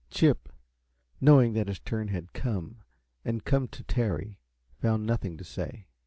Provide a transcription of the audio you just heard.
Chip, knowing that his turn had come, and come to tarry, found nothing to say.